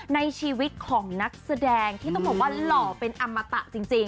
ในชีวิตของนักแสดงที่ต้องบอกว่าหล่อเป็นอมตะจริง